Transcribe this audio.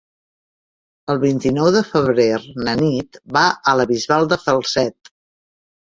El vint-i-nou de febrer na Nit va a la Bisbal de Falset.